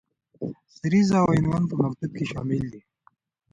سریزه او عنوان په مکتوب کې شامل دي.